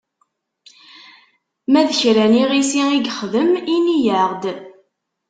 Ma d kra n yiɣisi i yexdem, ini-aɣ-d!